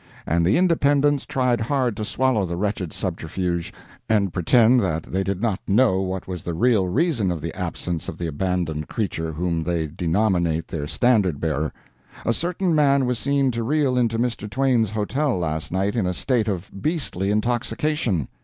And the Independents tried hard to swallow the wretched subterfuge, and pretend that they did not know what was the real reason of the absence of the abandoned creature whom they denominate their standard bearer. A certain man was seen to reel into Mr. Twain's hotel last night in a state of beastly intoxication.